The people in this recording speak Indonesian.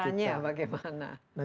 nah caranya bagaimana